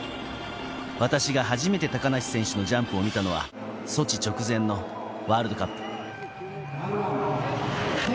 私が初めて高梨選手のジャンプを見たのはソチ直前のワールドカップ。